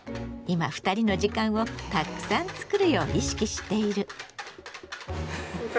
今二人の時間をたくさん作るよう意識している。